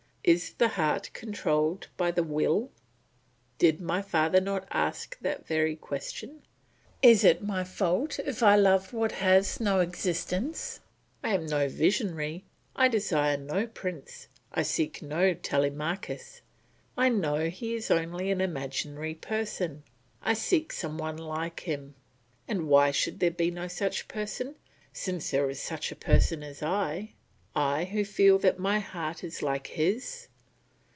Is the heart controlled by the will? Did my father not ask that very question? Is it my fault if I love what has no existence? I am no visionary; I desire no prince, I seek no Telemachus, I know he is only an imaginary person; I seek some one like him. And why should there be no such person, since there is such a person as I, I who feel that my heart is like his?